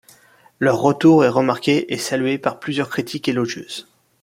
Leur retour est remarqué et salué par plusieurs critiques élogieuses.